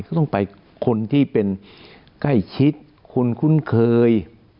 ก็ต้องไปคนที่เป็นใกล้ชิดคนคุ้นเคย